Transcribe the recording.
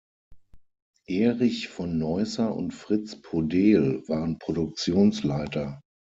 Erich von Neusser und Fritz Podehl waren Produktionsleiter.